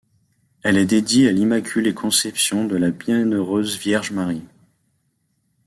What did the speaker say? Elle est dédiée à l'Immaculée Conception de la Bienheureuse Vierge Marie.